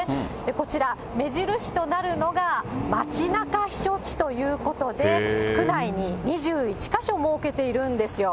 こちら、目印となるのが、まちなか避暑地ということで、区内に２１か所設けているんですよ。